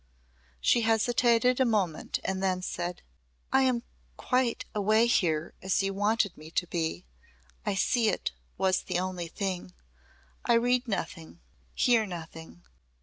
She hesitated a moment and then said, "I am quite away here as you wanted me to be. I see it was the only thing. I read nothing, hear nothing.